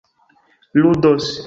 ludos